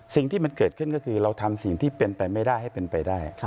สิ่งที่มันเกิดขึ้นก็คือเราทำสิ่งที่เป็นไปไม่ได้ให้เป็นไปได้